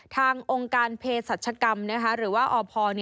ทางองค์การเพชรศัตริกรรมหรือว่าอพ